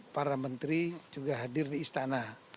para menteri juga hadir di istana